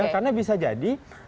karena bisa jadi